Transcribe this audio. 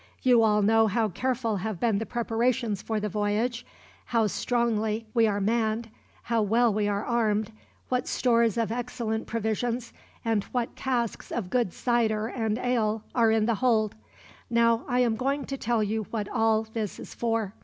You all know how careful have been the preparations for the voyage, how strongly we are manned, how well we are armed, what stores of excellent provisions and what casks of good cider and ale are in the hold. "Now I am going to tell you what all this is for.